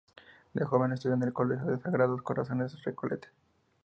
De joven estudió en el Colegio Sagrados Corazones Recoleta.